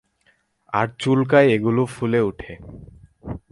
আর চুলকায় এগুলো ফুলে উঠে।